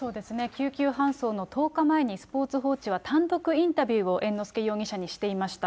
救急搬送の１０日前にスポーツ報知は単独インタビューを猿之助容疑者にしていました。